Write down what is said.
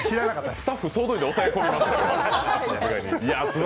スタッフ総動員で押さえ込みますよ。